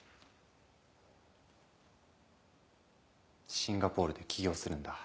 シンガポールで起業するんだ。